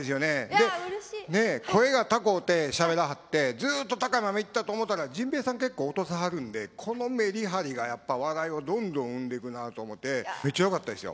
で声が高うてしゃべらはってずっと高いままいったと思ったら甚兵衛さん結構落とさはるんでこのメリハリがやっぱ笑いをどんどん生んでくなと思てめっちゃよかったですよ。